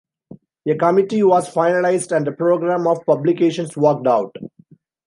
A committee was finalised and a programme of publications worked out.